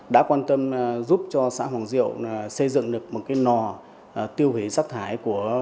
đã quan tâm giúp cho xã hoàng diệu xây dựng được một cái nò tiêu hủy rác thải của